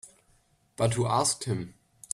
But who asked him?